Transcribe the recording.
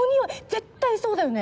絶対そうだよね？